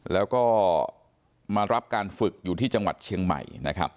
แล้วก็มารับการฝึกอยู่ที่จังหวัดเชียงใหม่นะครับ